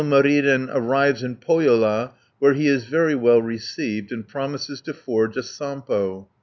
Ilmarinen arrives in Pohjola, where he is very well received, and promises to forge a Sampo (201 280).